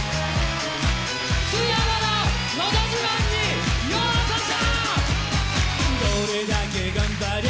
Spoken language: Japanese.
津山の「のど自慢」にようこそ！